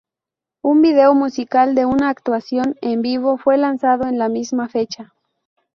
Un vídeo musical de una actuación en vivo fue lanzado en la misma fecha.